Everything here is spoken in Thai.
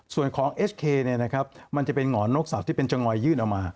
ส่วนของเอสเคเนี่ยนะครับมันจะเป็นหง่อนนกศัพท์ที่เป็นจังหอยยื่นเอามา